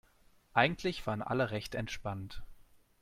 Eigentlich waren alle recht entspannt.